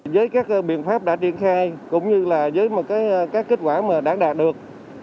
với các biện pháp đã triển khai cũng như là với một các kết quả mà đã đạt được